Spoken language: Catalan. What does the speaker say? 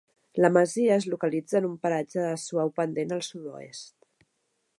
La masia es localitza en un paratge de suau pendent al sud-oest.